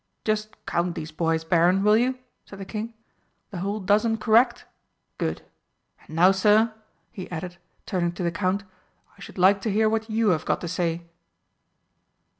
"Just count these boys, Baron, will you?" said the King. "The whole dozen correct? Good. And now, sir," he added, turning to the Count, "I should like to hear what you have got to say."